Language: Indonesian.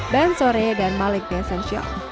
dan sore dan malik the essential